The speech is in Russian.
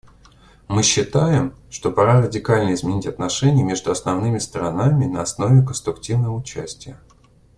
Мы считаем, что пора радикально изменить отношения между основными сторонами на основе конструктивного участия.